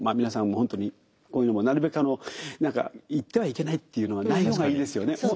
皆さんも本当にこういうのもなるべく何か言ってはいけないっていうのはない方がいいですよね。